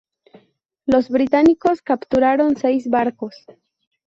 Los británicos capturaron seis barcos.